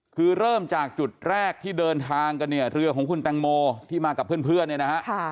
คือเริ่มจากจุดแรกที่เดินทางกันเนี่ยเรือของคุณแตงโมที่มากับเพื่อนเนี่ยนะฮะ